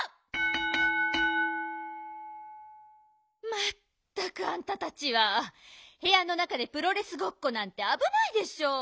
まったくあんたたちはへやの中でプロレスごっこなんてあぶないでしょう！